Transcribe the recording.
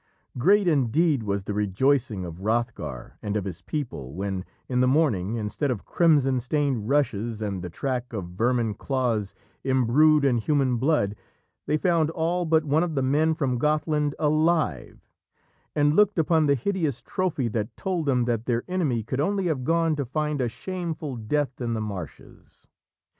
Great indeed was the rejoicing of Hrothgar and of his people when, in the morning, instead of crimson stained rushes and the track of vermin claws imbrued in human blood, they found all but one of the men from Gothland alive, and looked upon the hideous trophy that told them that their enemy could only have gone to find a shameful death in the marshes.